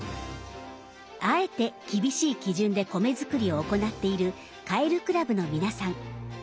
あえて厳しい基準で米作りを行っているカエル倶楽部の皆さん。